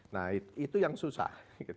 nah itu yang susah